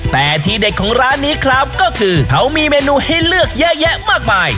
แต่ที่เด็ดของร้านนี้ครับก็คือเขามีเมนูให้เลือกเยอะแยะมากมาย